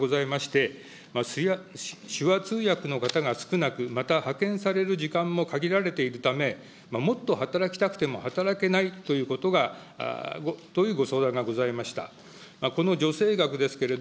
私のところにこの制度を利用している方から相談がございまして、手話通訳の方が少なく、また派遣される時間も限られているため、もっと働きたくても働けないということが、というご相談がございました。